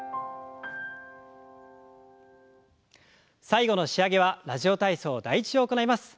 最後の仕上げは「ラジオ体操第１」を行います。